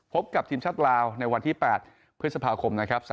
พบกับทีมชาติลาวในวันที่๘พฤษภาคมนะครับ